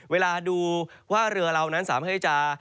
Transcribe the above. เวลาดูว่าเรือเรานั้นสามารถให้จะ